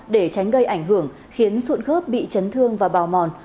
để tránh gây ảnh hưởng khiến sụn khớp bị chấn thương và bào mòn